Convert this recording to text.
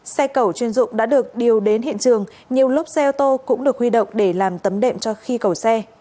xe cẩu chuyên dụng đã được điều đến hiện trường nhiều lúc xe ô tô cũng được huy động để làm tấm đệm cho khi cẩu xe